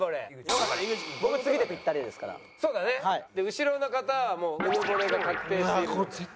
後ろの方はもううぬぼれが確定している。